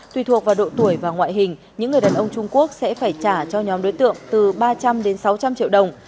tùy thuộc vào độ tuổi và ngoại hình những người đàn ông trung quốc sẽ phải trả cho nhóm đối tượng từ ba trăm linh đến sáu trăm linh triệu đồng